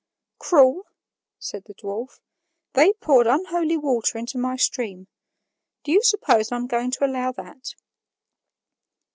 "Cruel!" said the dwarf; "they poured unholy water into my stream. Do you suppose I'm going to allow that?"